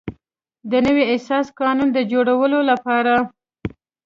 د نوي اساسي قانون د جوړولو لپاره.